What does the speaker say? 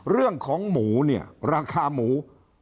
เรื่องของหมูเนี่ยราคาหมู